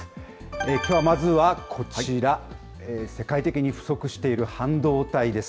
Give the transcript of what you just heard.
きょうはまずはこちら、世界的に不足している半導体です。